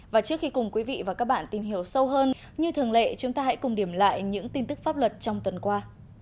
và trước khi cùng quý vị và các bạn tìm hiểu sâu hơn như thường lệ chúng ta hãy cùng điểm lại những tin tức pháp luật trong tuần qua